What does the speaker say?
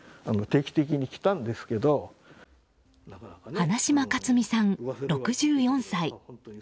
花島勝美さん、６４歳。